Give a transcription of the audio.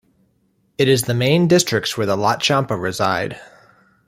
It is the main districts where the Lhotshampa reside.